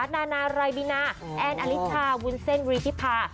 นานาไรบินาแอนด์อลิทชาวุนเซ็นต์วิทธิพา